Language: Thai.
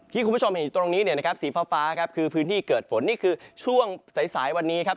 คุณผู้ชมเห็นอยู่ตรงนี้เนี่ยนะครับสีฟ้าครับคือพื้นที่เกิดฝนนี่คือช่วงสายสายวันนี้ครับ